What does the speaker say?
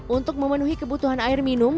untuk memenuhi kebutuhan air minum